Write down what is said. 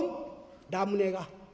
ラムネが？」。